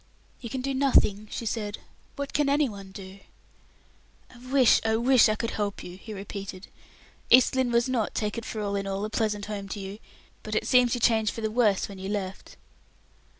"You can do nothing," she said. "What can any one do?" "I wish, I wish I could help you!" he repeated. "East Lynne was not, take it for all in all, a pleasant home to you, but it seems you changed for the worse when you left."